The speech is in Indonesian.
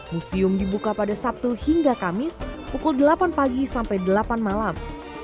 museum dibuka pada sabtu hingga kamis pukul delapan pagi sampai delapan malam